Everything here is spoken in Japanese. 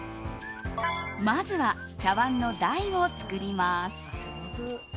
まずは、茶わんの台を作ります。